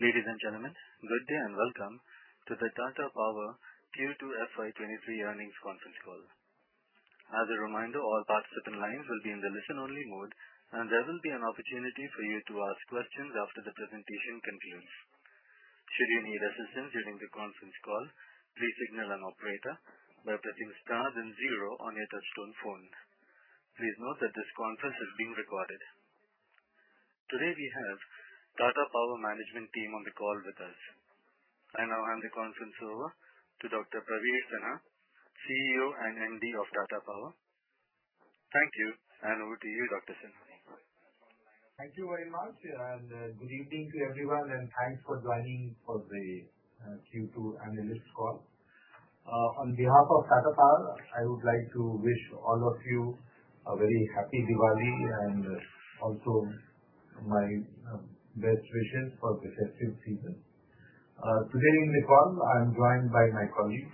Ladies and gentlemen, good day and welcome to the Tata Power Q2 FY23 earnings conference call. As a reminder, all participant lines will be in the listen-only mode, and there will be an opportunity for you to ask questions after the presentation concludes. Should you need assistance during the conference call, please signal an operator by pressing star then zero on your touchtone phone. Please note that this conference is being recorded. Today, we have Tata Power management team on the call with us. I now hand the conference over to Dr. Praveer Sinha, CEO and MD of Tata Power. Thank you, and over to you, Dr. Sinha. Thank you very much, and good evening to everyone, and thanks for joining for the Q2 analyst call. On behalf of Tata Power, I would like to wish all of you a very happy Diwali and also my best wishes for the festive season. Today in the call, I am joined by my colleagues,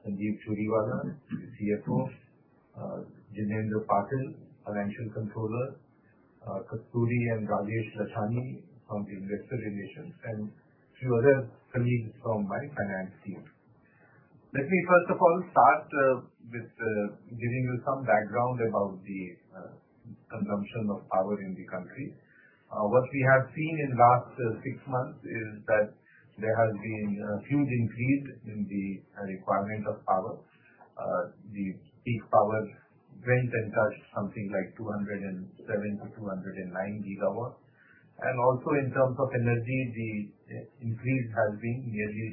Sanjeev Churiwala, CFO; Jinendra Patil, our financial controller; Kasturi and Rajesh Ladhani from the investor relations, and few other colleagues from my finance team. Let me first of all start with giving you some background about the consumption of power in the country. What we have seen in last six months is that there has been a huge increase in the requirement of power. The peak power went and touched something like 207-209 gigawatt. Also in terms of energy, the increase has been nearly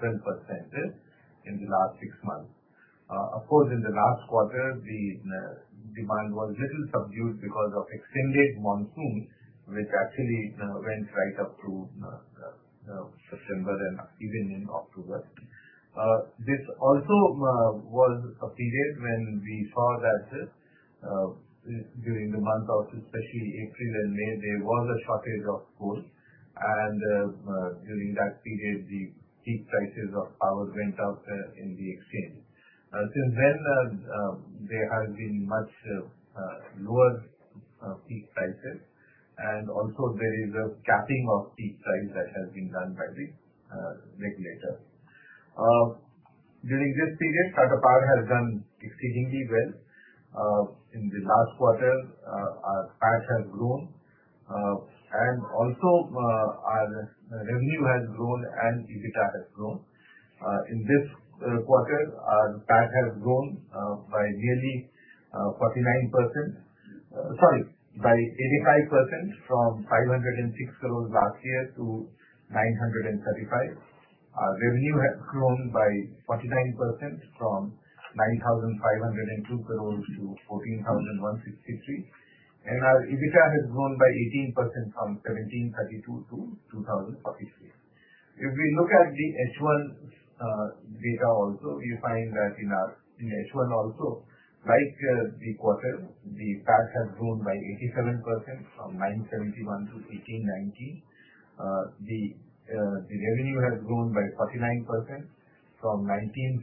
10% in the last six months. Of course, in the last quarter, the demand was little subdued because of extended monsoons, which actually went right up to September and even in October. This also was a period when we saw that during the month of especially April and May, there was a shortage of coal. During that period, the peak prices of power went up in the exchange. Since then, there has been much lower peak prices. Also there is a capping of peak price that has been done by the regulator. During this period, Tata Power has done exceedingly well. In the last quarter, our PAT has grown, and also, our revenue has grown, and EBITDA has grown. In this quarter, PAT has grown by nearly 49%. Sorry, by 85% from 506 crores last year to 935. Our revenue has grown by 49% from 9,502 crores to 14,163. Our EBITDA has grown by 18% from 1,732 to 2,043. If we look at the H1 data also, you find that in H1 also, like, the quarter, the PAT has grown by 87% from 971 to 1,890. The revenue has grown by 49% from 19,476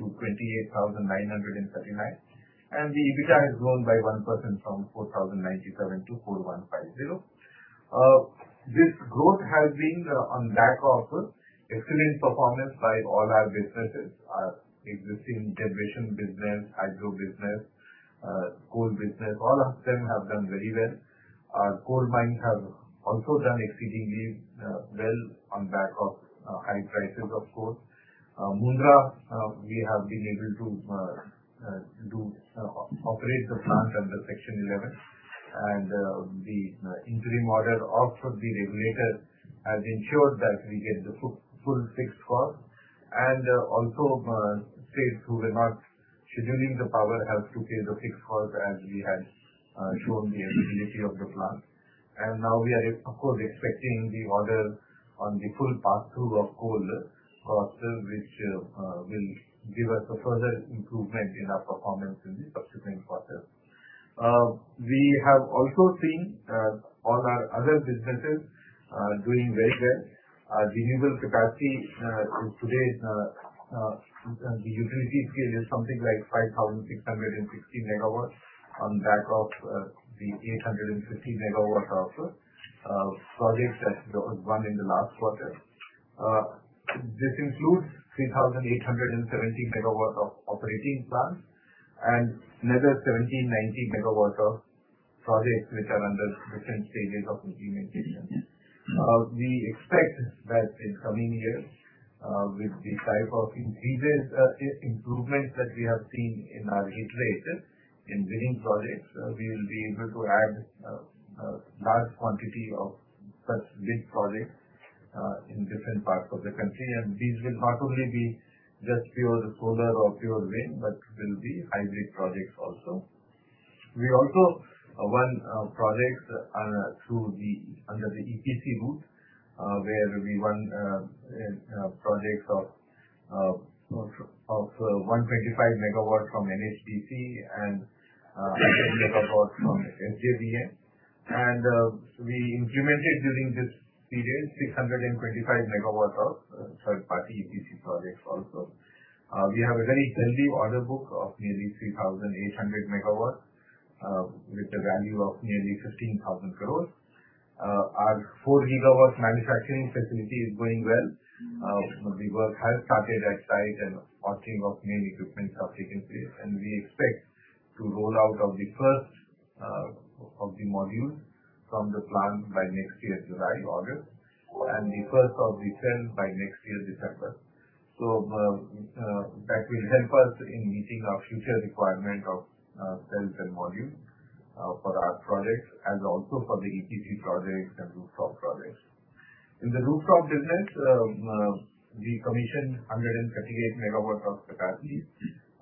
to 28,939. The EBITDA has grown by 1% from 4,097 to 4,150. This growth has been on back of excellent performance by all our businesses. Our existing generation business, hydro business, coal business, all of them have done very well. Our coal mines have also done exceedingly well on back of high prices, of course. Mundra, we have been able to operate the plant under Section 11. The interim order of the regulator has ensured that we get the full fixed cost. Also, states who were not scheduling the power have to pay the fixed cost as we had shown the availability of the plant. Now we are of course expecting the order on the full passthrough of coal costs, which will give us a further improvement in our performance in the subsequent quarter. We have also seen all our other businesses doing very well. The usable capacity till today the utility scale is something like 5,600 MW on the back of the 850 MW of projects that was won in the last quarter. This includes 3,870 MW of operating plants and another 1,790 MW of projects which are under different stages of implementation. We expect that in coming years, with the type of increases, improvements that we have seen in our tariff in winning projects, we will be able to add large quantity of such big projects in different parts of the country. These will not only be just pure solar or pure wind, but will be hybrid projects also. We also won projects under the EPC route, where we won projects of 125 megawatts from NHPC and megawatts from SJVN. We implemented during this period 625 megawatts of third-party EPC projects also. We have a very healthy order book of nearly 3,800 megawatts with the value of nearly 15,000 crores. Our 4 gigawatts manufacturing facility is going well. The work has started at site and ordering of main equipment have taken place, and we expect to roll out of the first of the module from the plant by next year, July, August, and the first of the sale by next year, December. That will help us in meeting our future requirement of cell and module for our projects and also for the EPC projects and rooftop projects. In the rooftop business, we commissioned 138 MW of capacity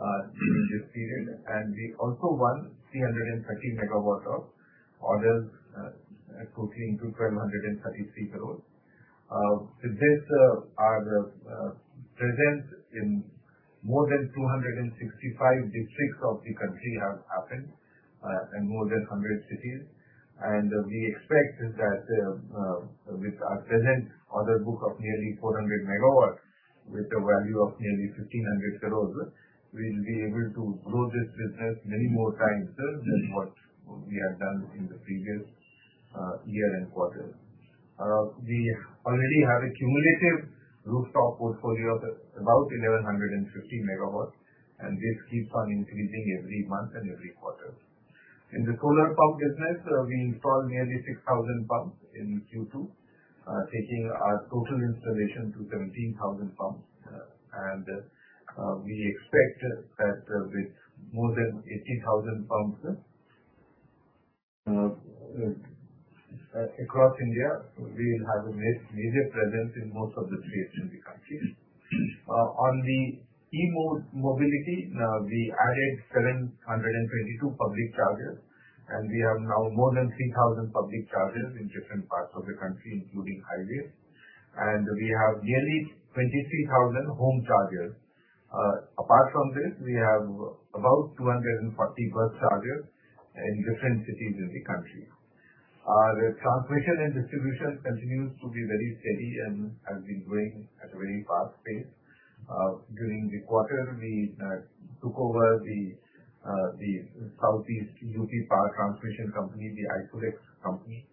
during this period, and we also won 330 MW of orders equating to 1,236 crores. With this, our presence in more than 265 districts of the country have happened in more than 100 cities. We expect that with our present order book of nearly 400 MW, with a value of nearly 1,500 crore, we'll be able to grow this business many more times than what we have done in the previous year and quarter. We already have a cumulative rooftop portfolio of about 1,150 MW, and this keeps on increasing every month and every quarter. In the solar pump business, we installed nearly 6,000 pumps in Q2, taking our total installation to 17,000 pumps. We expect that with more than 18,000 pumps across India, we will have a major presence in most of the states in the country. On the e-mobility, we added 722 public chargers, and we have now more than 3,000 public chargers in different parts of the country, including highways. We have nearly 23,000 home chargers. Apart from this, we have about 240 bus chargers in different cities in the country. The transmission and distribution continues to be very steady and has been growing at a very fast pace. During the quarter, we took over the South-East UP Power Transmission Company, the SPV company,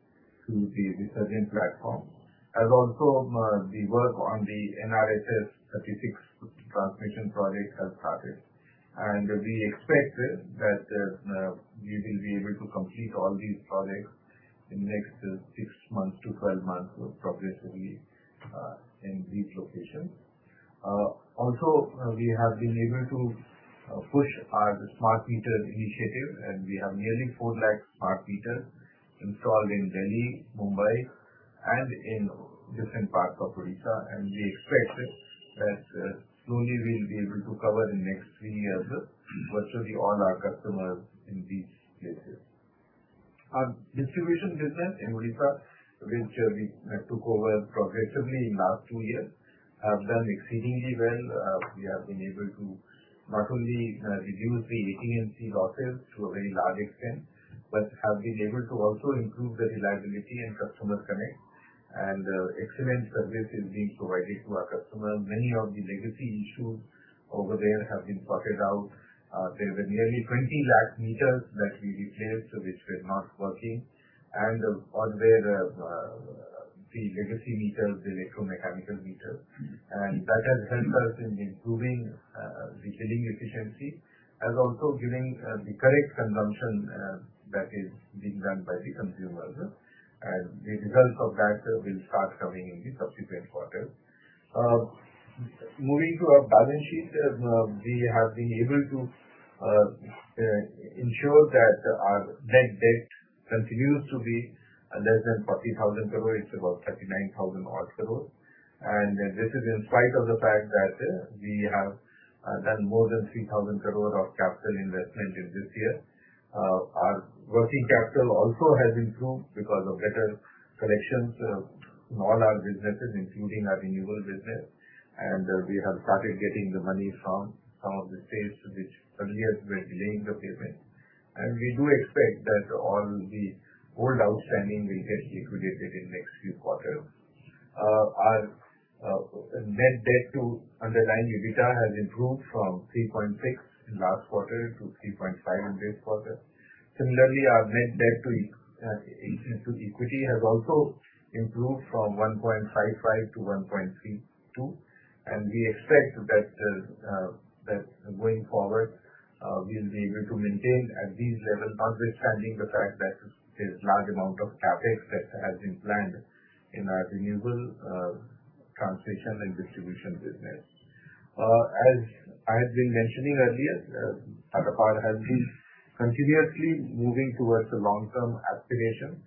to the Resurgent platform. Also, the work on the NRSS-XXXVI transmission project has started, and we expect that we will be able to complete all these projects in next 6 months to 12 months progressively, in these locations. also, we have been able to push our smart meter initiative, and we have nearly 4 lakh smart meters installed in Delhi, Mumbai, and in different parts of Odisha. We expect that, slowly we'll be able to cover in next 3 years, virtually all our customers in these places. Our distribution business in Odisha, which, we took over progressively in last 2 years, have done exceedingly well. We have been able to not only, reduce the AT&C losses to a very large extent, but have been able to also improve the reliability and customer connect. Excellent service is being provided to our customers. Many of the legacy issues over there have been sorted out. There were nearly 20 lakh meters that we replaced, which were not working and on where, the legacy meters, the electromechanical meters. That has helped us in improving the billing efficiency and also giving the correct consumption that is being done by the consumers. The results of that will start coming in the subsequent quarters. Moving to our balance sheet. We have been able to ensure that our net debt continues to be less than 40,000 crore. It's about 39,000 crore. This is in spite of the fact that we have done more than 3,000 crore of capital investment in this year. Our working capital also has improved because of better collections from all our businesses, including our renewable business. We have started getting the money from some of the states which earlier were delaying the payment. We do expect that all the old outstanding will get liquidated in next few quarters. Our net debt to underlying EBITDA has improved from 3.6 in last quarter to 3.5 in this quarter. Similarly, our net debt to equity has also improved from 1.55 to 1.32. We expect that going forward, we'll be able to maintain at these levels, notwithstanding the fact that there's large amount of CapEx that has been planned in our renewable, transmission and distribution business. As I have been mentioning earlier, Adani Power has been continuously moving towards the long-term aspiration.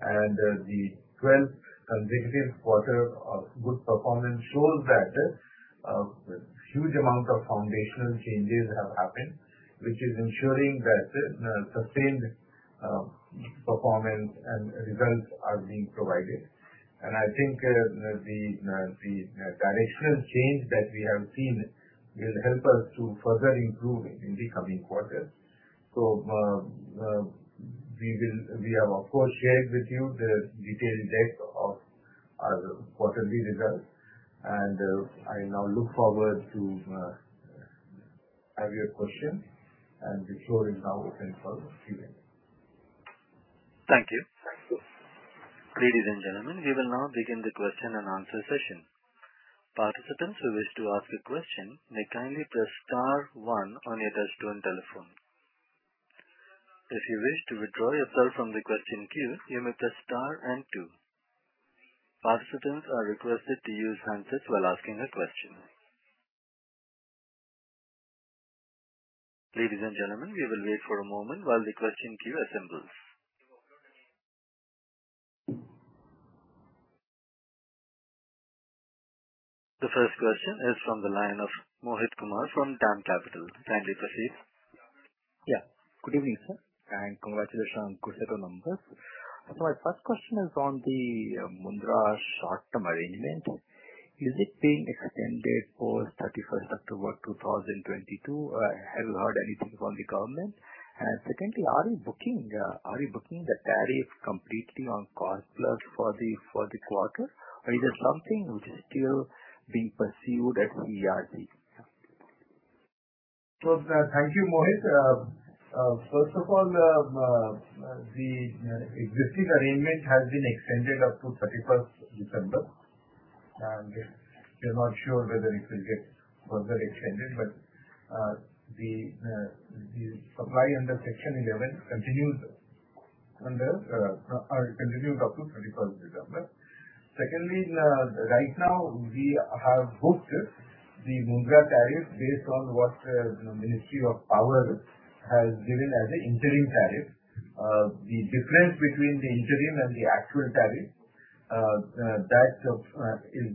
The twelfth consecutive quarter of good performance shows that huge amount of foundational changes have happened, which is ensuring that sustained performance and results are being provided. I think the directional change that we have seen will help us to further improve in the coming quarters. We have of course shared with you the detailed deck of our quarterly results, and I now look forward to have your question and the floor is now open for Q&A. Thank you. Thank you. Ladies and gentlemen, we will now begin the question and answer session. Participants who wish to ask a question may kindly press star one on your touch-tone telephone. If you wish to withdraw yourself from the question queue, you may press star and two. Participants are requested to use handsets while asking a question. Ladies and gentlemen, we will wait for a moment while the question queue assembles. The first question is from the line of Mohit Kumar from DAM Capital. Kindly proceed. Yeah. Good evening, sir, and congratulations on good set of numbers. My first question is on the Mundra short-term arrangement. Is it being extended for 31 October 2022? Have you heard anything from the government? Secondly, are you booking the tariff completely on cost plus for the quarter? Or is there something which is still being pursued at CERC? Thank you, Mohit. First of all, the existing arrangement has been extended up to 31 December, and we're not sure whether it will get further extended. The supply under section eleven continues up to 31 December. Secondly, right now we have booked the Mundra tariff based on what you know, Ministry of Power has given as an interim tariff. The difference between the interim and the actual tariff that is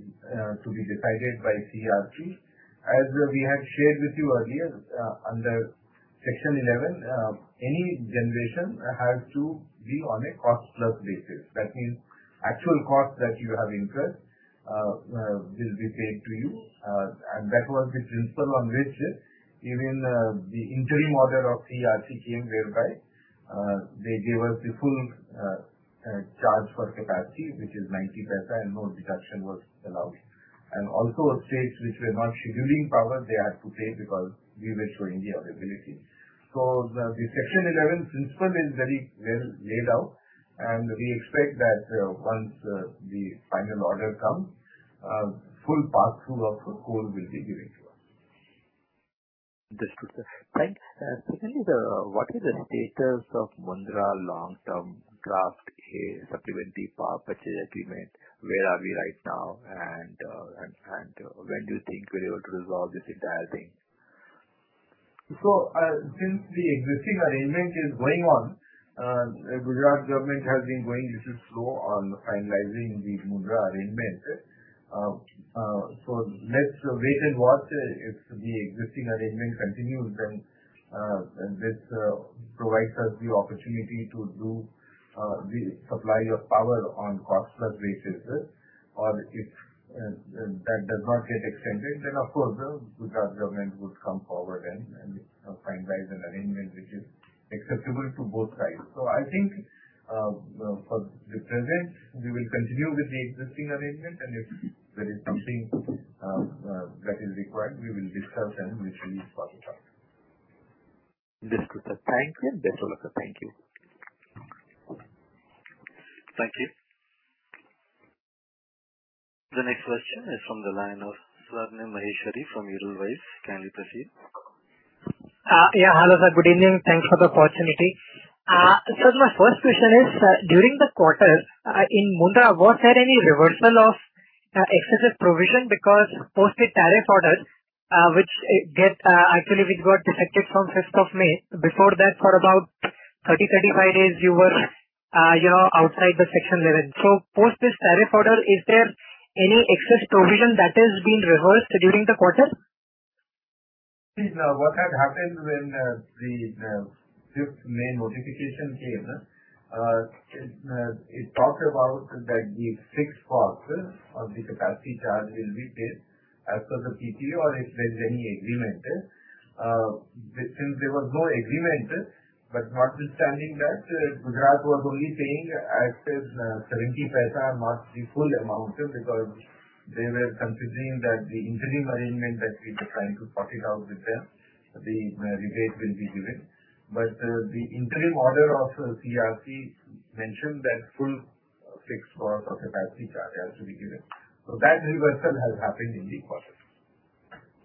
to be decided by CERC. As we had shared with you earlier, under Section 11, any generation has to be on a cost plus basis. That means actual cost that you have incurred will be paid to you. That was the principle on which even the interim order of CERC came, whereby they gave us the full charge for capacity, which is 0.90 and no deduction was allowed. Also states which were not scheduling power, they had to pay because we were showing the availability. The Section 11 principle is very well laid out, and we expect that once the final order comes, full pass through of coal will be given to us. That's good, sir. Thanks. Secondly, what is the status of Mundra long-term draft supplementary power purchase agreement? Where are we right now and when do you think we'll be able to resolve this entire thing? Since the existing arrangement is going on, Gujarat government has been going a little slow on finalizing the Mundra arrangement. Let's wait and watch. If the existing arrangement continues, this provides us the opportunity to do the supply of power on cost plus basis. Or if that does not get extended, then of course the Gujarat government would come forward and finalize an arrangement which is acceptable to both sides. I think, for the present we will continue with the existing arrangement and if there is something that is required, we will discuss and reach an understanding. That's good, sir. Thank you. Thank you. The next question is from the line of Swapnil Maheshwari from Edelweiss. Kindly proceed. Yeah. Hello, sir. Good evening. Thanks for the opportunity. My first question is, during the quarter, in Mundra, was there any reversal of excessive provision? Because post the tariff orders, which actually got effected from fifth of May. Before that, for about 35 days, you were, you know, outside the Section 11. Post this tariff order, is there any excess provision that has been reversed during the quarter? See, now, what had happened when the fifth May notification came, it talked about that the fixed cost of the capacity charge will be paid as per the PPA or if there's any agreement. Since there was no agreement, but notwithstanding that, Gujarat was only paying as per 0.70 and not the full amount, because they were considering that the interim arrangement that we were trying to sort it out with them, the rebate will be given. The interim order of CERC mentioned that full fixed cost of capacity charge has to be given. That reversal has happened in the quarter.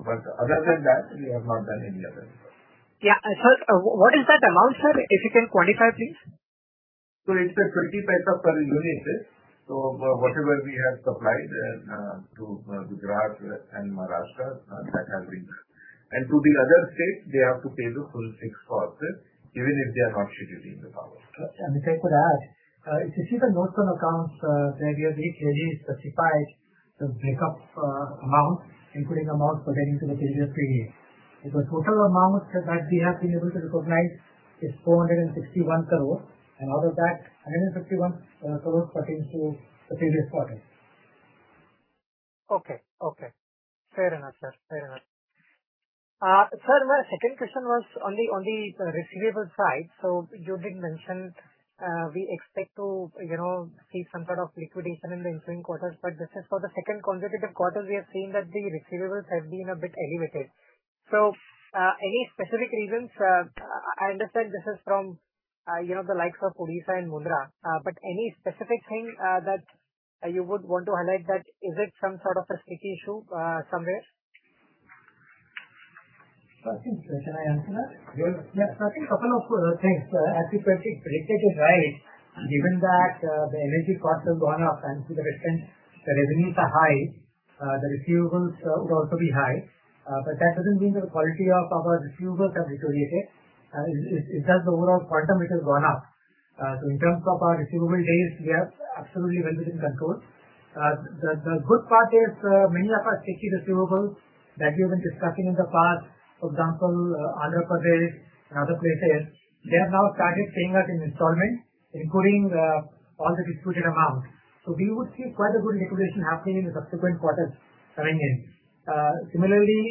Other than that, we have not done any other reversal. Yeah. Sir, what is that amount, sir? If you can quantify, please. It's INR 0.20 per unit. Whatever we have supplied to Gujarat and Maharashtra, that has been. To the other states, they have to pay the full fixed cost, even if they are not scheduling the power. If I could add, if you see the notes on accounts, there we have actually specified the breakup, amount, including amounts pertaining to the previous period. The total amount that we have been able to recognize is 461 crores, and out of that, 151 crores pertains to the previous quarter. Okay. Fair enough, sir. Sir, my second question was on the receivable side. You did mention we expect to, you know, see some sort of liquidation in the ensuing quarters, but this is for the second consecutive quarter we have seen that the receivables have been a bit elevated. Any specific reasons? I understand this is from, you know, the likes of Odisha and Mundra. Any specific thing that you would want to highlight that is it some sort of a sticky issue somewhere? I think, can I answer that? Yes. There are I think a couple of things. As you correctly predicted, right, given that the energy cost has gone up and consequently the revenues are high, the receivables would also be high. That doesn't mean the quality of our receivables have deteriorated. It's just the overall quantum, which has gone up. In terms of our receivable days, we are absolutely well within control. The good part is many of our sticky receivables that we have been discussing in the past, for example, Andhra Pradesh and other places, they have now started paying us in installments, including all the disputed amount. We would see quite a good liquidation happening in the subsequent quarters coming in. Similarly,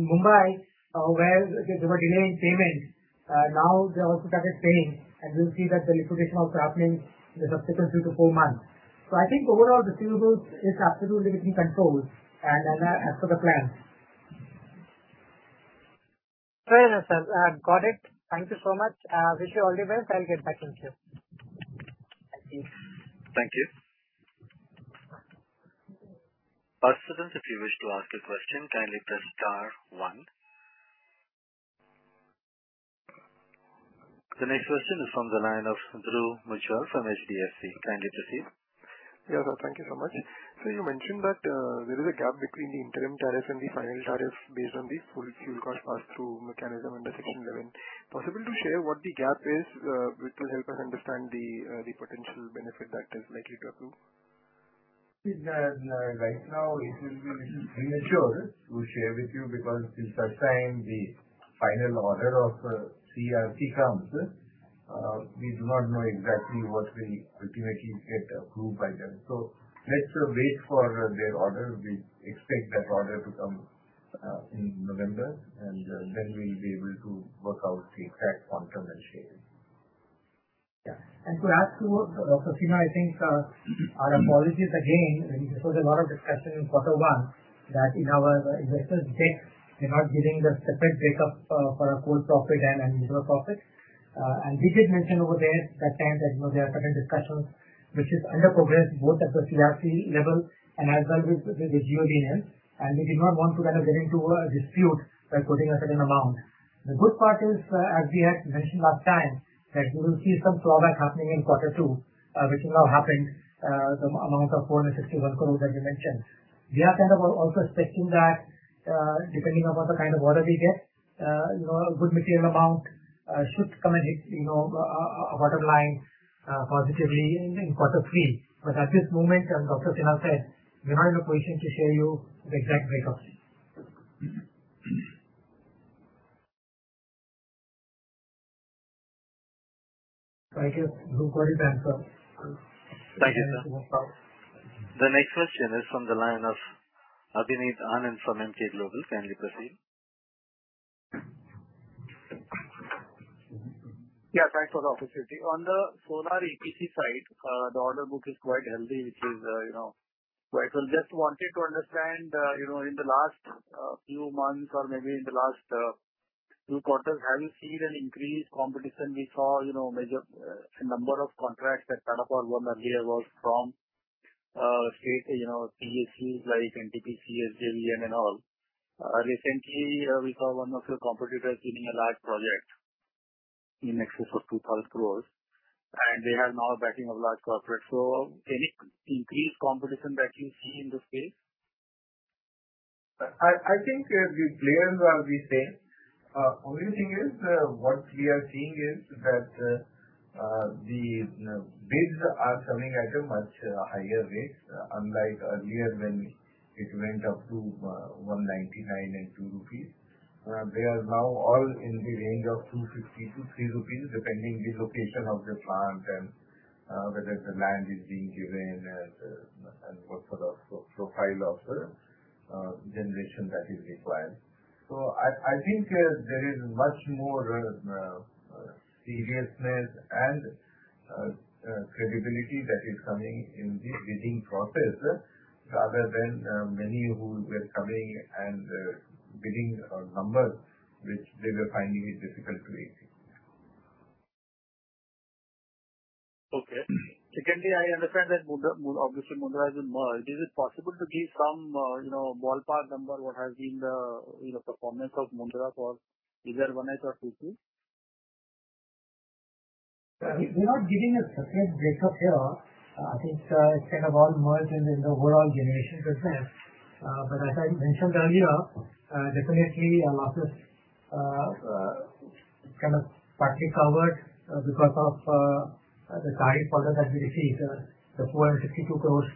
in Mumbai, where they were delaying payments, now they also started paying, and we'll see that the liquidation also happening in the subsequent two to four months. I think overall the receivables is absolutely within control and as per the plan. Fair enough, sir. Got it. Thank you so much. Wish you all the best. I'll get back in queue. Thank you. Thank you. Participants, if you wish to ask a question, kindly press star one. The next question is from the line of Dhruv Muchhal from HDFC. Kindly proceed. Yeah, sir. Thank you so much. You mentioned that there is a gap between the interim tariff and the final tariff based on the full fuel cost pass through mechanism under Section 11. Possible to share what the gap is, which will help us understand the potential benefit that is likely to accrue. Right now it will be little premature to share with you because till such time the final order of CERC comes, we do not know exactly what we ultimately get approved by them. Let's wait for their order. We expect that order to come in November, and then we'll be able to work out the exact quantum and share it. Yeah. To add to Dr. Sinha, I think, our apologies again, and this was a lot of discussion in quarter one that in our investor deck, we are not giving the separate breakup for our coal profit and renewable profit. We did mention over there that time that, you know, there are certain discussions which is under progress both at the CERC level and as well with the GUVNL. We did not want to kind of get into a dispute by putting a certain amount. The good part is, as we had mentioned last time, that we will see some drawback happening in quarter two, which has now happened. The amount of 461 crore that we mentioned. We are kind of also expecting that, depending upon the kind of order we get, you know, a good material amount should come and hit, you know, our bottom line, positively in quarter three. At this moment, as Dr. Sinha said, we are not in a position to share you the exact breakups. I guess Dhruv got his answer. Thank you, sir. The next question is from the line of Abhinav Anand from Emkay Global. Kindly proceed. Yeah, thanks for the opportunity. On the solar EPC side, the order book is quite healthy, which is, you know, vital. Just wanted to understand, you know, in the last few months or maybe in the last 2 quarters, have you seen an increased competition? We saw, you know, major number of contracts that Tata Power won earlier was from state, you know, PSEs like NTPC, SJVN, and all. Recently, we saw one of your competitors winning a large project in excess of 2,000 crore, and they are now backing a large corporate. So any increased competition that you see in this space? I think the players are the same. Only thing is, what we are seeing is that, the, you know, bids are coming at a much higher rate. Unlike earlier when it went up to 1.99 and 2 rupees, they are now all in the range of 2.50-3 rupees, depending the location of the plant and, whether the land is being given and what are the profile of the generation that is required. I think there is much more seriousness and credibility that is coming in the bidding process rather than many who were coming and bidding numbers which they were finding it difficult to raise. Okay. Secondly, I understand that Mundra, obviously Mundra is merged. Is it possible to give some, you know, ballpark number what has been the, you know, performance of Mundra for either 1H or 2H? We are not giving a separate breakup here. I think, it's kind of all merged in the, in the overall generation business. But as I mentioned earlier, definitely our losses, kind of partly covered, because of, the tariff order that we received, the 462 crore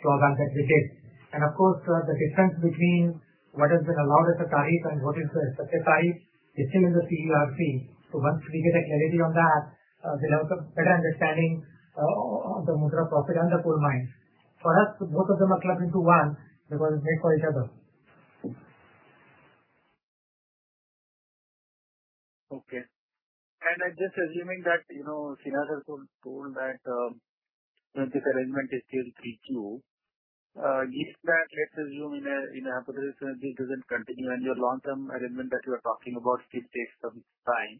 drawback that we did. Of course, the difference between what has been allowed as a tariff and what is the expected tariff is still in the CERC. Once we get a clarity on that, we'll have a better understanding of the Mundra profit and the coal mine. For us, both of them are clubbed into one because they are made for each other. Okay. I'm just assuming that, you know, Praveer Sinha has told that this arrangement is still 3, 2. Let's assume in a hypothesis, when this doesn't continue and your long-term arrangement that you are talking about still takes some time.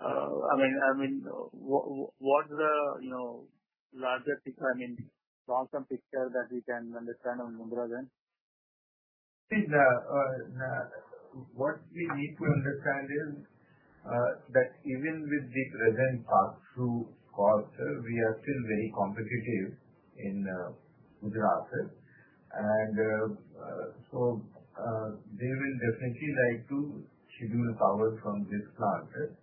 I mean, what's the, you know, larger picture, I mean, long-term picture that we can understand on Mundra then? What we need to understand is that even with the present pass-through costs, we are still very competitive in Mundra Asset. They will definitely like to schedule power from this plant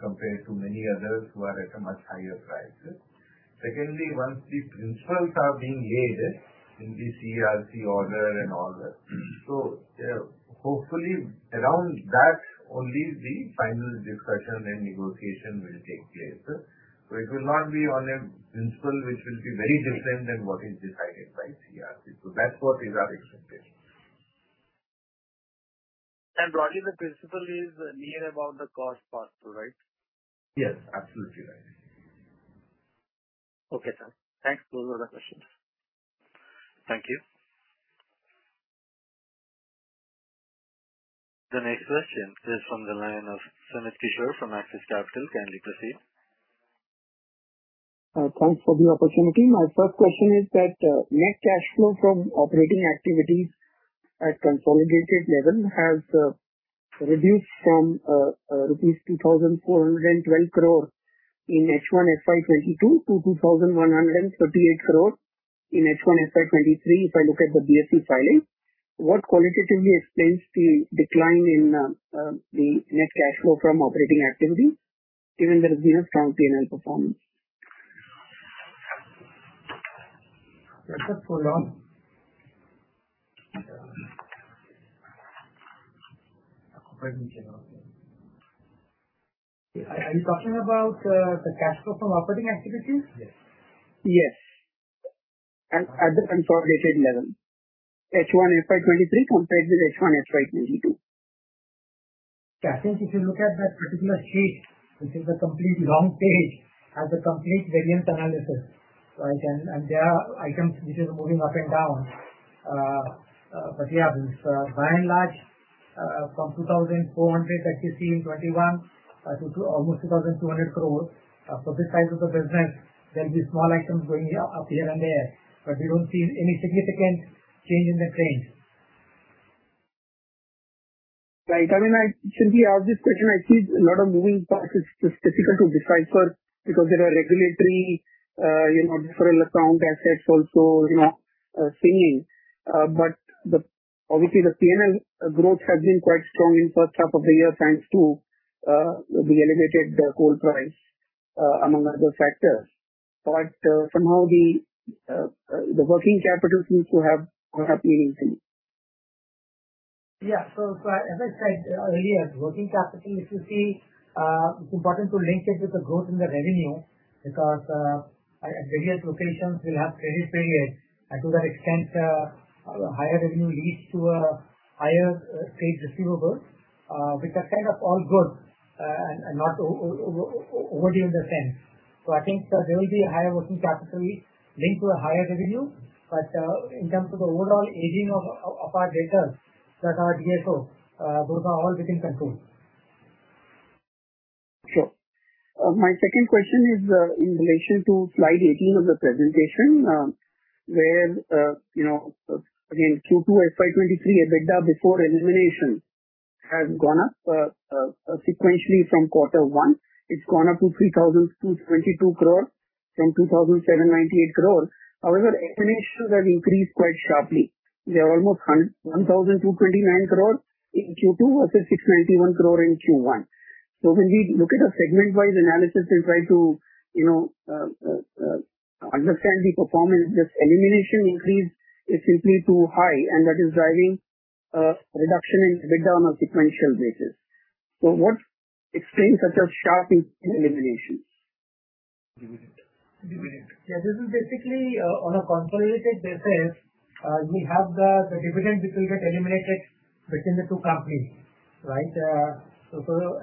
compared to many others who are at a much higher price. Secondly, once the principles are being laid in the CERC order and all that, hopefully around that only the final discussion and negotiation will take place. It will not be on a principle which will be very different than what is decided by CERC. That's what is our expectation. Broadly, the principle is near about the cost pass-through, right? Yes, absolutely right. Okay, sir. Thanks. Those are the questions. Thank you. The next question is from the line of Sumit Kishore from Axis Capital. Kindly proceed. Thanks for the opportunity. My first question is that net cash flow from operating activities at consolidated level has reduced from rupees 2,412 crore in H1 FY 2022 to 2,138 crore in H1 FY 2023, if I look at the BSE filing. What qualitatively explains the decline in the net cash flow from operating activity, given there has been a strong P&L performance? Just hold on. Are you talking about the cash flow from operating activities? Yes. At the consolidated level. H1 FY 2023 compared with H1 FY 2022. I think if you look at that particular sheet, which is a complete long page, has a complete variance analysis, right? There are items which is moving up and down. But yeah, by and large, from 2,400 crores that we've seen in 2021 to almost 2,200 crores. For this size of the business, there'll be small items going up here and there, but we don't see any significant change in the trend. Right. I mean, since we asked this question, I see a lot of moving parts. It's difficult to decipher because there are regulatory, you know, deferral account assets also, you know, seeing. Obviously the P&L growth has been quite strong in first half of the year, thanks to the elevated coal price, among other factors. Somehow the working capital seems to have increased. As I said earlier, working capital, if you see, it's important to link it with the growth in the revenue because at various locations we'll have credit periods. To that extent, higher revenue leads to a higher trade receivables, which are kind of all good and not overdue in the sense. I think there will be higher working capital linked to a higher revenue. In terms of the overall aging of our debtors, that's our DSO, those are all within control. Sure. My second question is in relation to slide 18 of the presentation, where, you know, again, Q2 FY 2023, EBITDA before elimination has gone up sequentially from Q1. It's gone up to 3,222 crore from 2,798 crore. However, elimination has increased quite sharply. They are almost 1,229 crore in Q2 versus 691 crore in Q1. When we look at a segment-wise analysis and try to, you know, understand the performance, this elimination increase is simply too high, and that is driving a reduction in EBITDA on a sequential basis. What explains such a sharp increase in elimination? Yeah, this is basically on a consolidated basis, we have the dividend which will get eliminated between the two companies, right? Of course,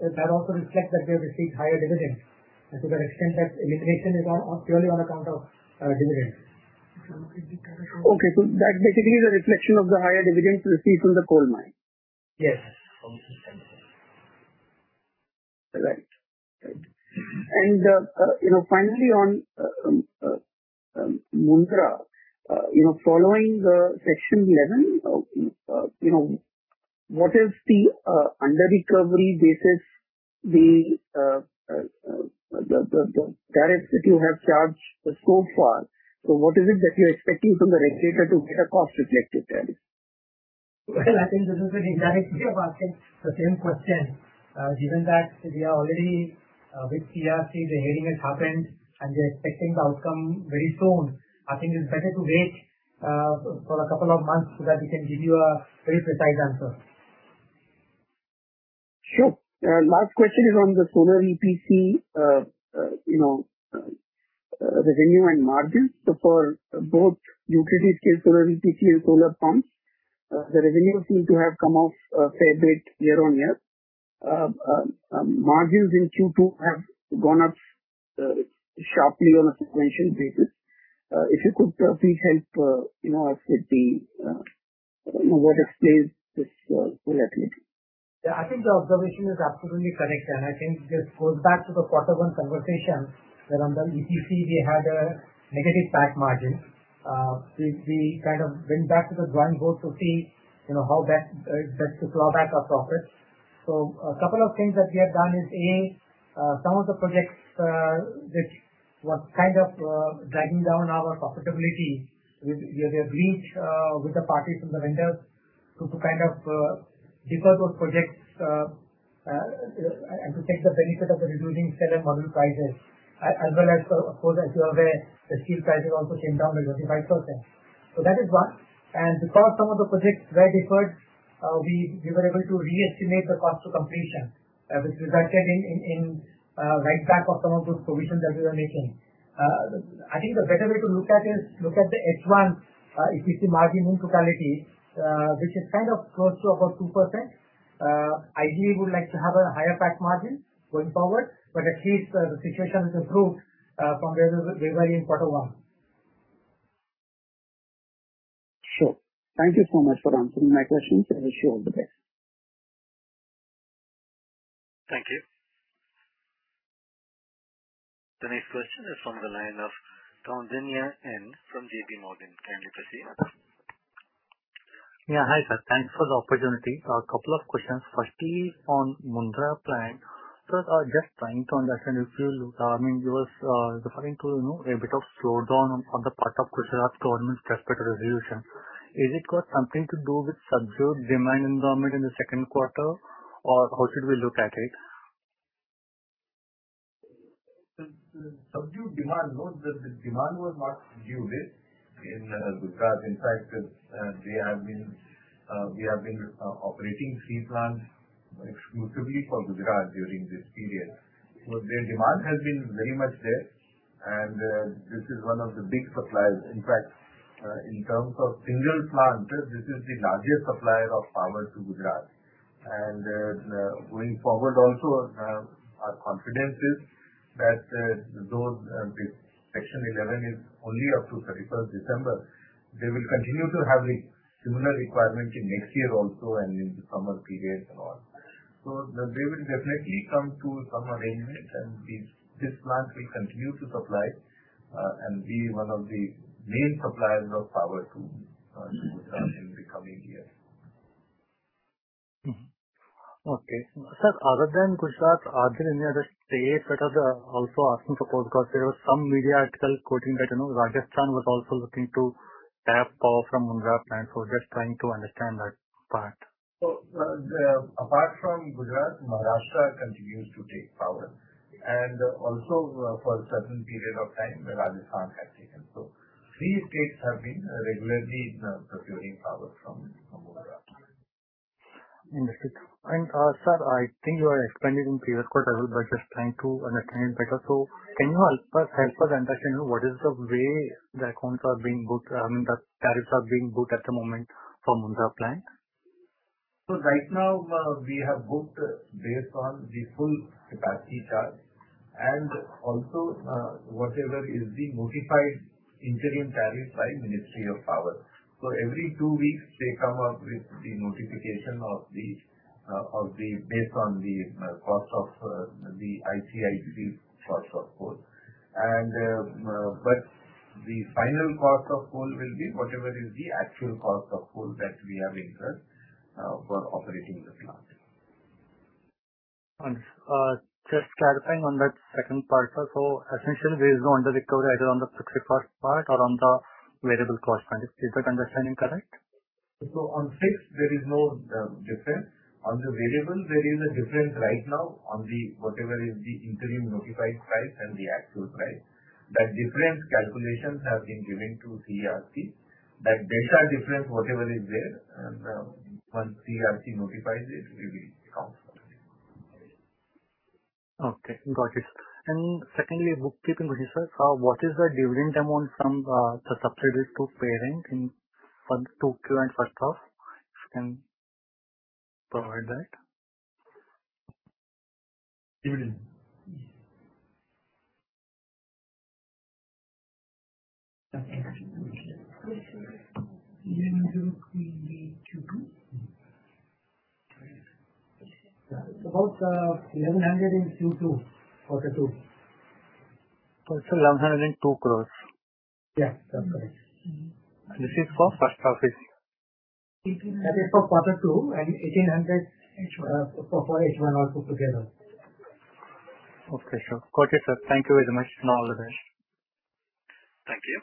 that also reflects that we have received higher dividends. To that extent, that elimination is purely on account of dividends. Okay. That's basically the reflection of the higher dividends received from the coal mine. Yes. You know, finally on Mundra, you know, following Section 11 of, you know, what is the underrecovery basis, the tariffs that you have charged so far? What is it that you're expecting from the regulator to get a cost-reflective tariff? Well, I think this is an indirect way of asking the same question. Given that we are already with CERC, the hearing has happened, and we are expecting the outcome very soon. I think it's better to wait for a couple of months so that we can give you a very precise answer. Sure. Last question is on the solar EPC, you know, revenue and margins for both utility scale solar and EPC solar farms. The revenue seem to have come off fair bit year-on-year. Margins in Q2 have gone up sharply on a sequential basis. If you could please help, you know, explain what explains this volatility. Yeah, I think the observation is absolutely correct, and I think this goes back to the quarter one conversation where under EPC we had a negative PAT margin. We kind of went back to the drawing board to see, you know, how best to claw back our profits. A couple of things that we have done is, A, some of the projects, which were kind of, dragging down our profitability with, we have agreed, with the parties and the vendors to kind of defer those projects, and to take the benefit of the reducing cell and module prices. As well as, of course, as you are aware, the steel prices also came down by 35%. That is one. Because some of the projects were deferred, we were able to re-estimate the cost to completion, which resulted in write back of some of those provisions that we were making. I think the better way to look at the H1 EPC margin in totality, which is kind of close to about 2%. Ideally, we would like to have a higher PAT margin going forward, but at least the situation has improved from where we were in quarter one. Sure. Thank you so much for answering my questions. I wish you all the best. Thank you. The next question is from the line of Jemish Koshy from JP Morgan. Kindly proceed. Yeah, hi sir. Thanks for the opportunity. A couple of questions. Firstly, on Mundra plant. I was just trying to understand if you, I mean, you were referring to, you know, a bit of slowdown on the part of Gujarat government with respect to the resolution. Is it got something to do with subdued demand environment in the second quarter, or how should we look at it? Subdued demand, no. The demand was not subdued in Gujarat. In fact, we have been operating three plants exclusively for Gujarat during this period. The demand has been very much there and this is one of the big suppliers. In fact, in terms of single plant, this is the largest supplier of power to Gujarat. Going forward also, our confidence is that the Section 11 is only up to thirty-first December. They will continue to have the similar requirement in next year also and in the summer periods and all. They will definitely come to some arrangement, and this plant will continue to supply and be one of the main suppliers of power to Gujarat in the coming years. Mm-hmm. Okay. Sir, other than Gujarat, are there any other states that are also asking for power? Because there were some media articles quoting that, you know, Rajasthan was also looking to tap power from Mundra plant. Just trying to understand that part. Apart from Gujarat, Maharashtra continues to take power, and also for a certain period of time, Rajasthan has taken. Three states have been regularly procuring power from Mundra. Understood. Sir, I think you have explained it in previous call as well, but just trying to understand better. Can you help us understand what is the way the accounts are being booked? I mean, the tariffs are being booked at the moment for Mundra plant? Right now, we have booked based on the full capacity charge and also, whatever is the notified interim tariff by Ministry of Power. Every two weeks they come up with the notification based on the cost of the ICI cost of coal. The final cost of coal will be whatever is the actual cost of coal that we have incurred, for operating the plant. Understood. Just clarifying on that second part. Essentially there is no under-recovery either on the fixed cost part or on the variable cost. Is my understanding correct? On fixed there is no difference. On the variable, there is a difference right now on the, whatever is the interim notified price and the actual price. That difference calculations have been given to CERC. That delta difference, whatever is there, once CERC notifies it, we will account for it. Okay. Got it. Secondly, bookkeeping question, sir. What is the dividend amount from the subsidiary to parent in Q2 and first half? If you can provide that. Dividend? Yes. Dividend in Q2? It's about 1,100 in Q2, quarter two. It's INR 1,102 crores. Yeah, that's correct. This is for first half, is it? That is for quarter two and 1,800 MW for H1 also together. Okay, sure. Got it, sir. Thank you very much, and all the best. Thank you.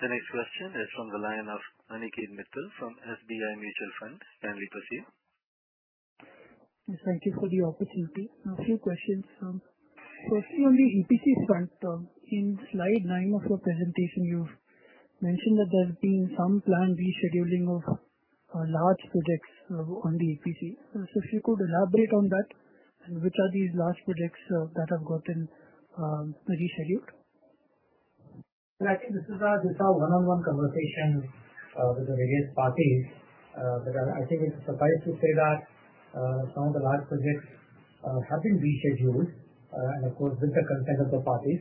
The next question is from the line of Aniket Mittal from SBI Mutual Fund. Kindly proceed. Yes, thank you for the opportunity. A few questions. Firstly on the EPC front, in slide nine of your presentation, you've mentioned that there have been some planned rescheduling of large projects on the EPC. If you could elaborate on that, and which are these large projects that have gotten rescheduled. Well, I think this is a one-on-one conversation with the various parties. I think suffice to say that some of the large projects have been rescheduled, and of course with the consent of the parties,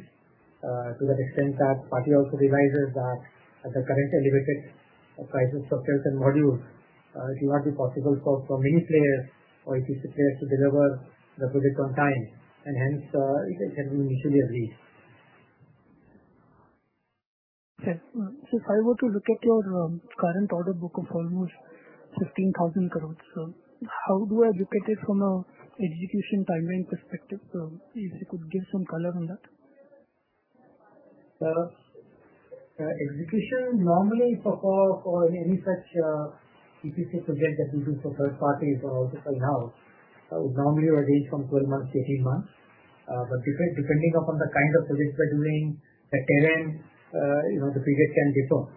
to the extent that party also realizes that at the current elevated prices of cells and modules, it won't be possible for many players or EPC players to deliver the project on time, and hence it can be mutually agreed. Okay. If I were to look at your current order book of almost 15,000 crores, how do I look at it from an execution timeline perspective? If you could give some color on that. Execution normally for any such EPC project that we do for third parties or also for in-house would normally range from 12 months to 18 months. Depending upon the kind of project scheduling, the talent, you know, the period can get on.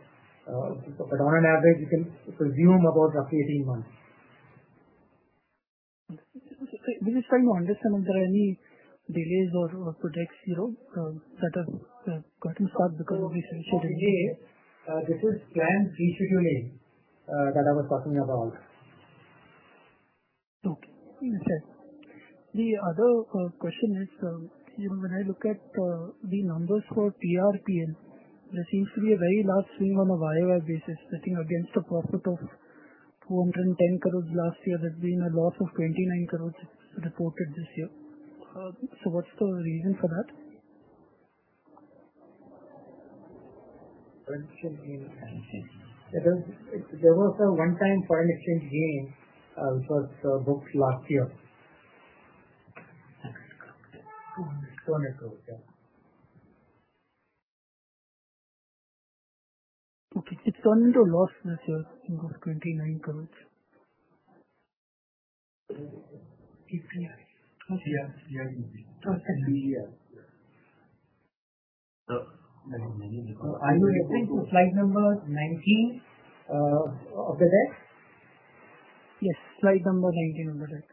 On average, you can presume about roughly 18 months. We're just trying to understand if there are any delays or projects, you know, that have gotten stuck because of rescheduling. Today, this is planned rescheduling that I was talking about. Okay. The other question is, when I look at the numbers for TRPN, there seems to be a very large swing on a YOY basis. I think against the profit of 210 crore last year, there's been a loss of 29 crore reported this year. What's the reason for that? Foreign exchange gain. There was a one-time foreign exchange gain, which was booked last year. Okay. INR 200 crores, yeah. Okay. It's turned into a loss this year of 29 crores. API. Yes. Are you referring to slide number 19 of the deck? Yes. Slide number 19 on the deck.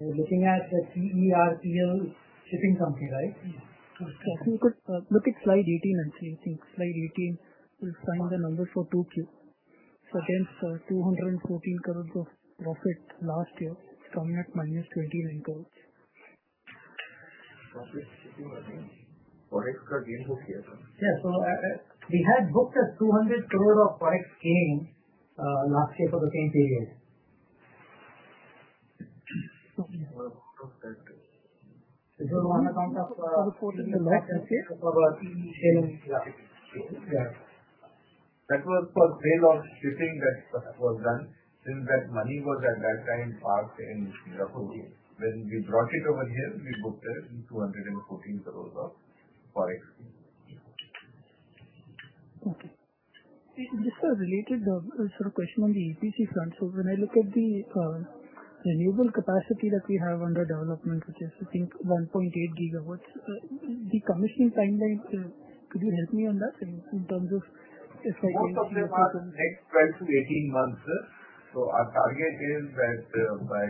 You're looking at the Trust Energy Resources Pte. Ltd. Shipping company, right? If you could look at slide 18 and see. I think slide 18, you'll find the numbers for 2Q. Against 214 crores of profit last year, it's coming at -29 crores. Profit shipping, I think. Forex gain booked. Yeah. We had booked 200 crore of Forex gain last year for the same period. Okay. On account of. INR 14 crores. That was for sale of shipping that was done since that money was at that time parked in Singapore. We brought it over here, we booked 214 crores of Forex. Okay. Just a related sort of question on the EPC front. When I look at the renewable capacity that we have under development, which is I think 1.8 gigawatts, the commissioning timeline, could you help me on that in terms of if I- Most of them are next 12-18 months. Our target is that, by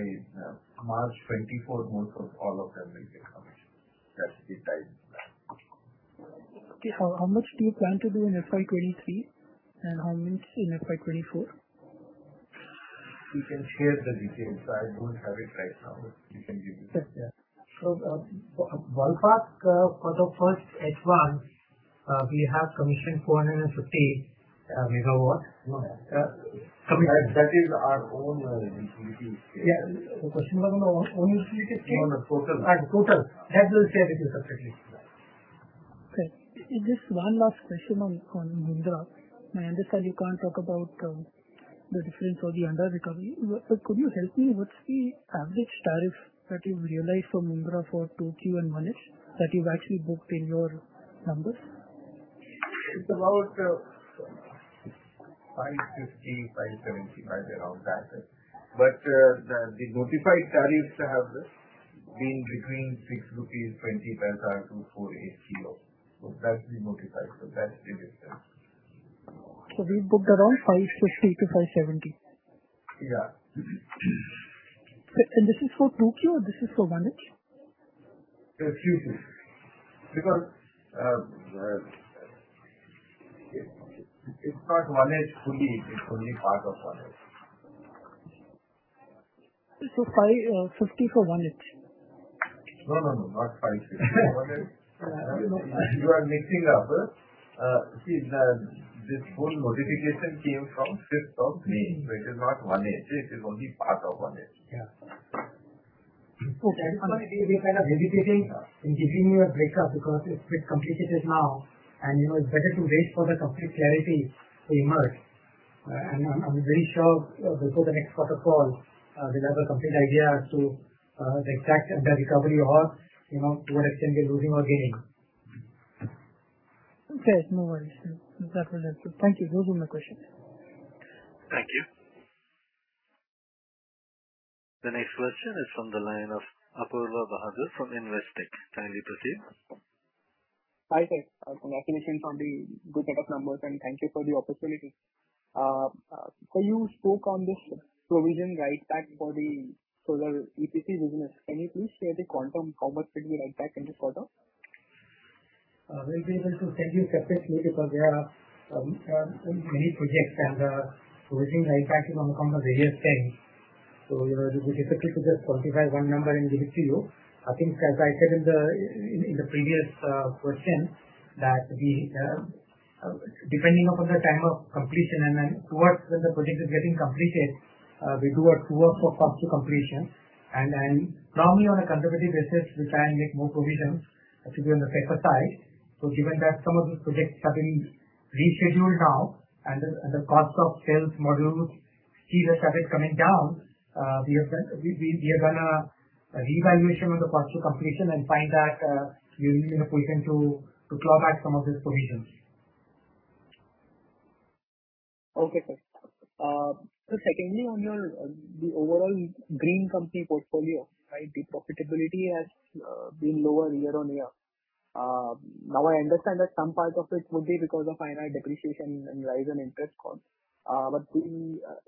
March 2024, most of all of them will get commissioned. That's the timeline. Okay. How much do you plan to do in FY 2023 and how much in FY 2024? We can share the details. I don't have it right now, but we can give you. Okay. Yeah. Ballpark, for the first advance, we have commissioned 450 MW. No. Commissioned. That is our own utility scale. Yeah. The question was on our own utility scale? No, no. Total. Total. That we'll share with you separately. Okay. Just one last question on Mundra. I understand you can't talk about the difference or the under-recovery, but could you help me, what's the average tariff that you've realized from Mundra for 2Q and 1H that you've actually booked in your numbers? It's about 5.50, 5.75 around that. The notified tariffs have been between 6.20 rupees and 4.8/kWh. That's the notified. That's the difference. We've booked around 550-570. Yeah. This is for 2Q, or this is for 1H? Excuse me. Because it's not one H fully. It's only part of one H. So five fifty for one H. No, no. Not 550. You are mixing up. See, this whole notification came from fifth of May, so it is not 1H. It is only part of 1H. Yeah. That is why we're kind of hesitating in giving you a breakup because it's bit complicated now and, you know, it's better to wait for the complete clarity to emerge. I'm very sure before the next quarter call, we'll have a complete idea as to the exact under-recovery or, you know, to what extent we're losing or gaining. Okay. No worries. That was it. Thank you. Those were my questions. Thank you. The next question is from the line of Apoorva Bahadur from Investec. Thank you, Prateek. Hi, sir. Congratulations on the good set of numbers, and thank you for the opportunity. You spoke on this provision write back for the solar EPC business. Can you please share the quantum, how much could be write back in this quarter? It is difficult to tell you separately because there are many projects and provision write back is on account of various things. You know, it will be difficult to just quantify one number and give it to you. I think as I said in the previous question, that we depending upon the time of completion and then towards when the project is getting completed, we do a true-up for cost to completion. Normally on a conservative basis, we try and make more provisions to be on the safer side. Given that some of these projects have been rescheduled now and the cost of solar modules, fees have started coming down, we have done a revaluation of the cost to completion and find that we are in a position to claw back some of these provisions. Okay, sir. Secondly, on your overall green company portfolio, right? The profitability has been lower year-on-year. Now I understand that some part of it would be because of higher depreciation and rise in interest cost. The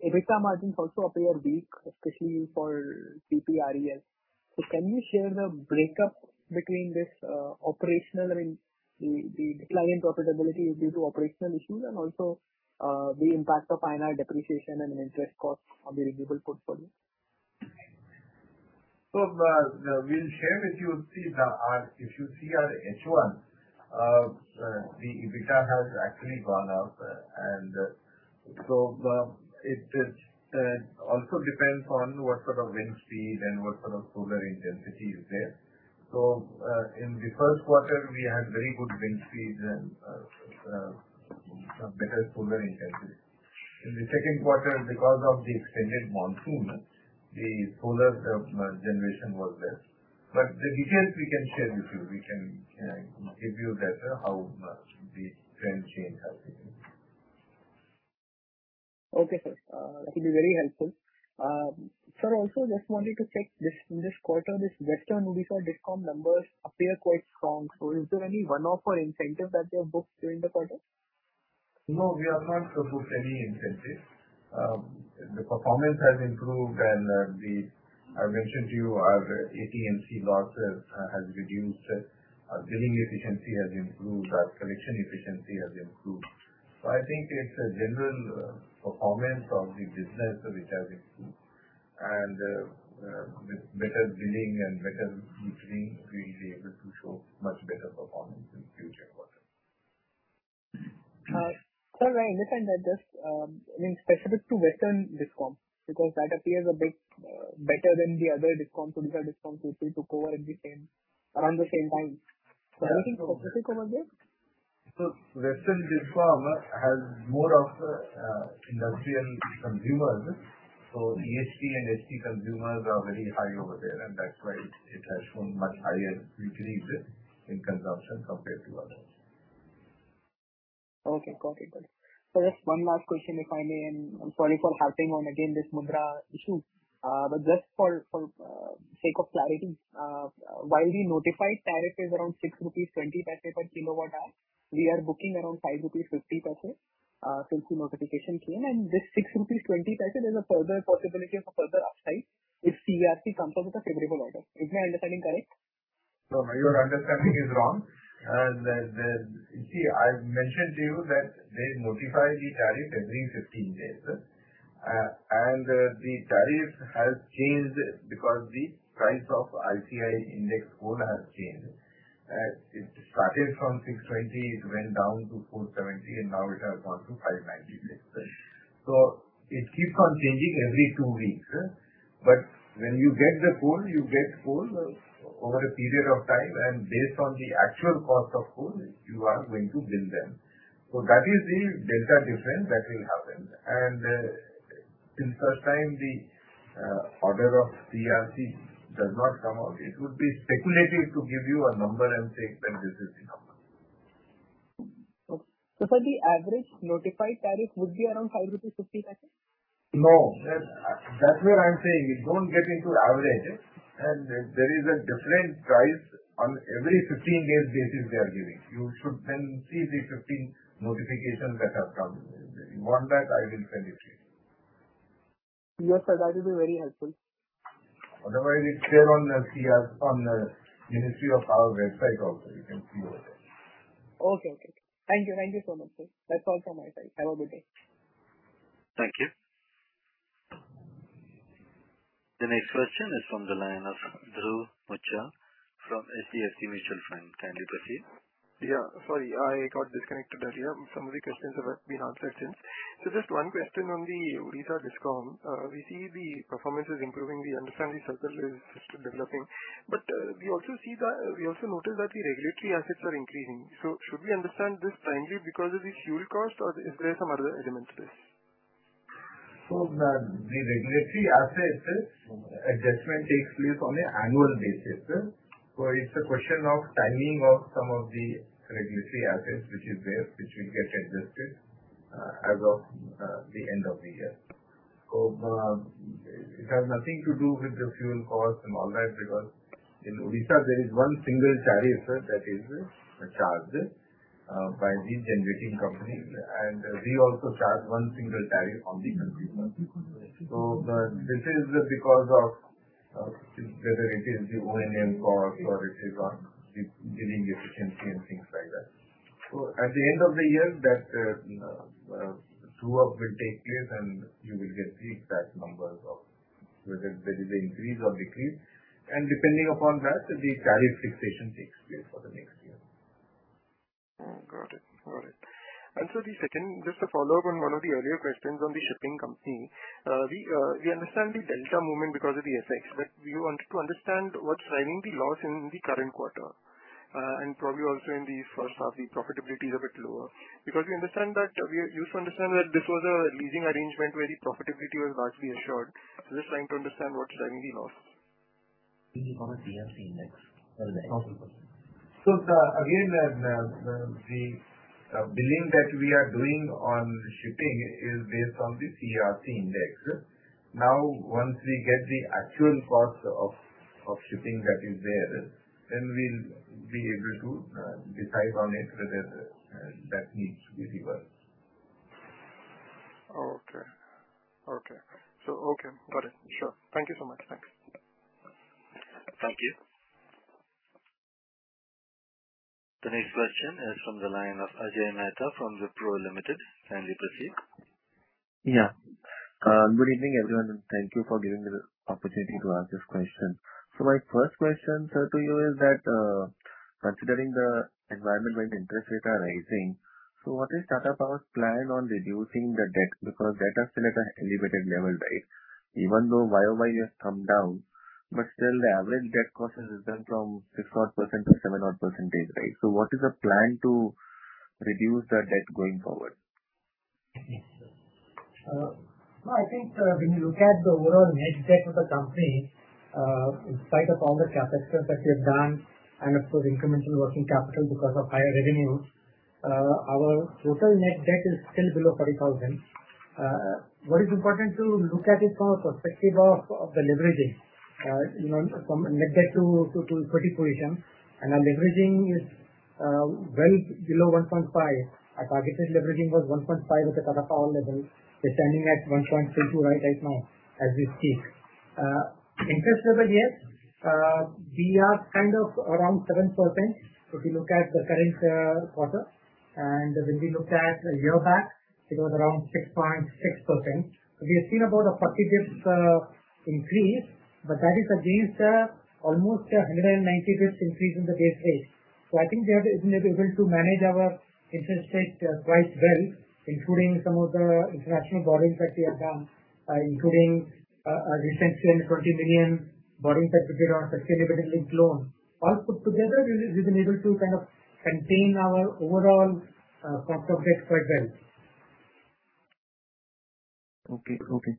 EBITDA margins also appear weak, especially for CPRES. Can you share the break-up between this operational, I mean the decline in profitability is due to operational issues and also the impact of higher depreciation and interest cost on the renewable portfolio? We'll share with you. If you see our H1, the EBITDA has actually gone up. It also depends on what sort of wind speed and what sort of solar intensity is there. In the first quarter, we had very good wind speeds and better solar intensity. In the second quarter, because of the extended monsoon, the solar generation was less. The details we can share with you. We can give you better how much the trend change has been. Okay, sir. That will be very helpful. Sir, also just wanted to check this, in this quarter, this Western Odisha Discom numbers appear quite strong. Is there any one-off or incentive that they have booked during the quarter? No, we have not booked any incentive. The performance has improved and I mentioned to you our AT&C loss has reduced. Our billing efficiency has improved. Our collection efficiency has improved. I think it's a general performance of the business which has improved. With better billing and better metering, we'll be able to show much better performance in future quarters. Sir, I understand that. Just, I mean, specific to Western discom, because that appears a bit better than the other discom. Odisha discom seemed to cover at the same, around the same time. Is there anything specific about this? Western Discom has more of industrial consumers. EHT and HT consumers are very high over there, and that's why it has shown much higher metering in consumption compared to others. Okay. Got it. Just one last question, if I may, and I'm sorry for harping on again this Mundra issue. But just for sake of clarity, while the notified tariff is around 6.20 rupees per kWh, we are booking around 5.50 rupees since the notification came. This 6.20 rupees, there's a further possibility of a further upside if CERC comes up with a favorable order. Is my understanding correct? No, your understanding is wrong. See, I mentioned to you that they notify the tariff every 15 days. The tariff has changed because the price of ICI index coal has changed. It started from 620, it went down to 470, and now it has gone to 590. It keeps on changing every two weeks. When you get the coal, you get coal over a period of time, and based on the actual cost of coal, you are going to bill them. That is the dated difference that will happen. Till such time the order of CERC does not come out, it would be speculative to give you a number and say that this is the number. Okay. Sir, the average notified tariff would be around 5.50 rupees? No. That's where I'm saying don't get into average. There is a different price on every 15 days basis they are giving. You should then see the 15 notifications that have come. You want that, I will send it to you. Sure, sir. That will be very helpful. Otherwise, it's there on the CERC, on the Ministry of Power website also. You can see over there. Okay. Thank you. Thank you so much, sir. That's all from my side. Have a good day. Thank you. The next question is from the line of Dhruv Muchhal from HDFC Mutual Fund. Thank you, Prateek. Sorry, I got disconnected earlier. Some of the questions have been answered since. Just one question on the Odisha Discom. We see the performance is improving. We understand the circle is still developing. We also notice that the regulatory assets are increasing. Should we understand this primarily because of the fuel cost or is there some other element to this? The regulatory assets adjustment takes place on an annual basis. It's a question of timing of some of the regulatory assets which is there, which will get adjusted. As of the end of the year. It has nothing to do with the fuel cost and all that, because in Odisha there is one single tariff that is charged by the generating company. We also charge one single tariff on the consumer. This is because of whether it is the O&M cost or it is on the billing efficiency and things like that. At the end of the year that true-up will take place and you will get the exact numbers of whether there is an increase or decrease. Depending upon that, the tariff fixation takes place for the next year. Got it. The second, just a follow-up on one of the earlier questions on the shipping company. We understand the delta movement because of the FX, but we wanted to understand what's driving the loss in the current quarter, and probably also in the first half, the profitability is a bit lower. Because we understand that, we used to understand that this was a leasing arrangement where the profitability was largely assured. I'm just trying to understand what's driving the loss. Is it on the CERC index or the? Again, the billing that we are doing on shipping is based on the CERC index. Now, once we get the actual cost of shipping that is there, then we'll be able to decide on it, whether that needs to be reversed. Okay. Got it. Sure. Thank you so much. Thanks. Thank you. The next question is from the line of Ajay Mehta from Wipro Limited. Kindly proceed. Yeah. Good evening, everyone, and thank you for giving the opportunity to ask this question. My first question, sir, to you is that, considering the environment where the interest rates are rising, what is Tata Power's plan on reducing the debt? Because debt is still at an elevated level, right? Even though YOY has come down, but still the average debt cost has risen from 6-odd% to 7-odd%, right? What is the plan to reduce the debt going forward? No, I think, when you look at the overall net debt of the company, in spite of all the CapEx that we have done, and of course incremental working capital because of higher revenues, our total net debt is still below 40,000. What is important to look at it from a perspective of the leveraging, you know, from net debt to equity position. Our leveraging is well below 1.5. Our targeted leveraging was 1.5 at the Tata Power level. We're standing at 1.22 right now, as we speak. Interest level, yes. We are kind of around 7%, if you look at the current quarter. When we look at a year back, it was around 6.6%. We have seen about a 40 basis points increase, but that is against almost a 190 basis points increase in the base rate. I think we have been able to manage our interest rate quite well, including some of the international borrowing that we have done, including recently $20 million borrowing that we did on sustainability-linked loan. All put together, we've been able to kind of contain our overall cost of debt quite well. Okay. Okay.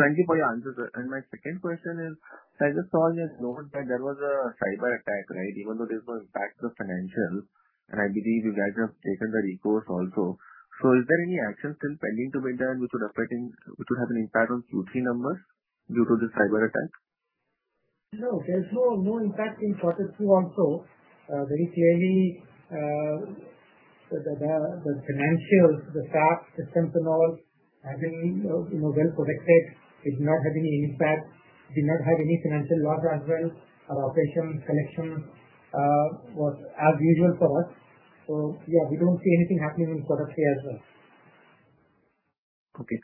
Thank you for your answer, sir. My second question is, so I just saw this note. There was a cyberattack, right? Even though there's no impact to the financials, and I believe you guys have taken the recourse also. So is there any action still pending to be done which would have an impact on Q3 numbers due to the cyberattack? No, there's no impact in quarter two also. Very clearly, the financials, the staff systems and all have been, you know, well protected. It did not have any impact. We did not have any financial loss as well. Our operation, collection was as usual for us. So yeah, we don't see anything happening in quarter three as well. Okay.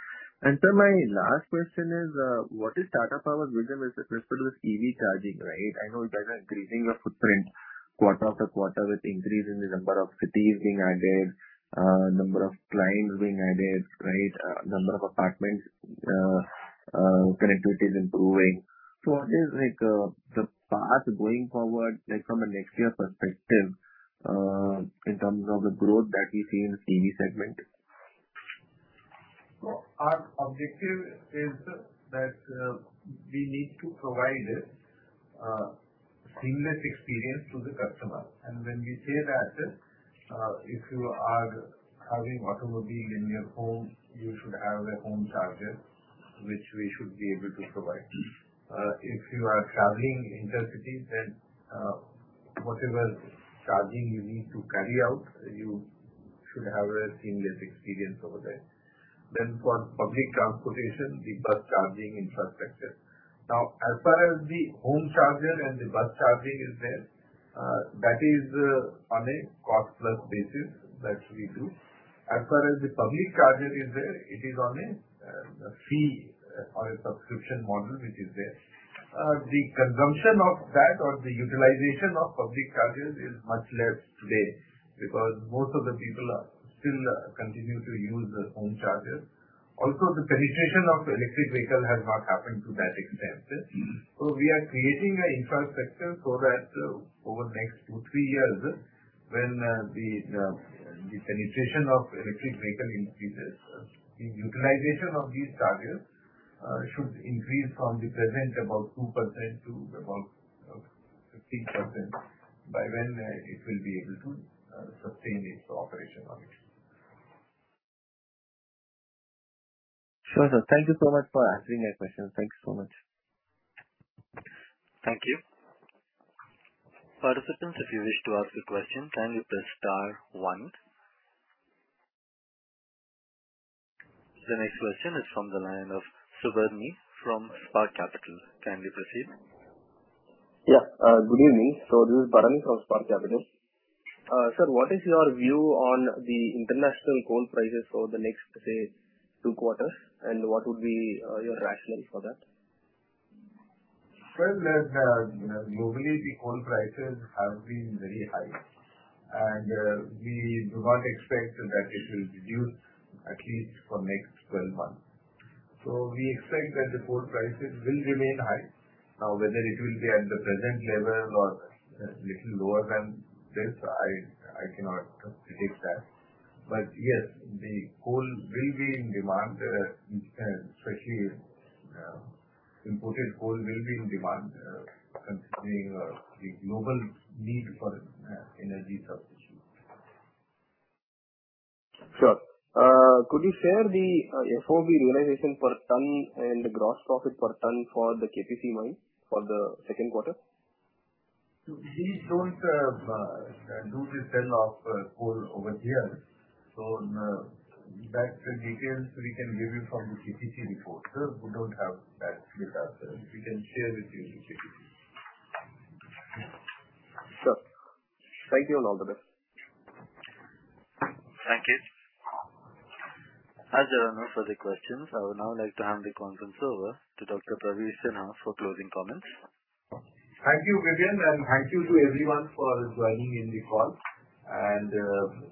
Sir, my last question is, what is Tata Power's vision with respect to this EV charging, right? I know it has an increasing footprint quarter after quarter with increase in the number of cities being added, number of clients being added, right? Number of apartments, connectivity is improving. So what is like, the path going forward, like from a next year perspective, in terms of the growth that we see in EV segment? Our objective is that we need to provide seamless experience to the customer. When we say that, if you are having automobile in your home, you should have a home charger, which we should be able to provide. If you are traveling intercity, whatever charging you need to carry out, you should have a seamless experience over there. For public transportation, the bus charging infrastructure. As far as the home charger and the bus charging is there, that is on a cost-plus basis that we do. As far as the public charger is there, it is on a fee or a subscription model which is there. The consumption of that or the utilization of public chargers is much less today because most of the people are still continue to use the home chargers. Also, the penetration of the electric vehicle has not happened to that extent. We are creating an infrastructure so that over next 2-3 years, when the penetration of electric vehicle increases, the utilization of these chargers should increase from the present about 2% to about 6% by when it will be able to sustain its operation on it. Sure, sir. Thank you so much for answering my questions. Thanks so much. Thank you. Participants, if you wish to ask a question, kindly press star one. The next question is from the line of Suvarni from Spark Capital. Can we proceed? Good evening. This is Suvarni from Spark Capital. Sir, what is your view on the international coal prices for the next, say, two quarters and what would be your rationale for that? Well, globally the coal prices have been very high, and we do not expect that it will reduce at least for next 12 months. We expect that the coal prices will remain high. Now, whether it will be at the present level or a little lower than this, I cannot predict that. Yes, the coal will be in demand, especially imported coal will be in demand, considering the global need for energy substitution. Sure. Could you share the FOB realization per ton and gross profit per ton for the KPC mine for the second quarter? We don't do the sale of coal over here, so that details we can give you from the KPC report. We don't have that data. We can share with you the KPC. Sure. Thank you. All the best. Thank you. As there are no further questions, I would now like to hand the conference over to Dr. Praveer Sinha for closing comments. Thank you, Vivian, and thank you to everyone for joining in the call.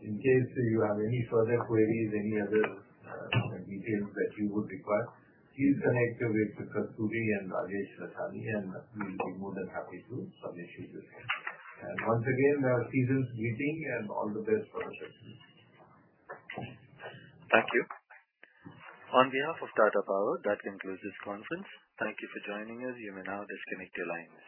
In case you have any further queries, any other details that you would require, please connect with Sukriti and Rajesh Lachhani, and we'll be more than happy to furnish it with you. Once again, season's greetings and all the best for the future. Thank you. On behalf of Tata Power, that concludes this conference. Thank you for joining us. You may now disconnect your lines.